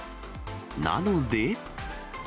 なので。